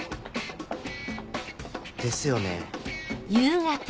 ですよね。